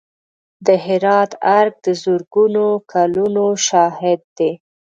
د هرات ارګ د زرګونو کلونو شاهد دی.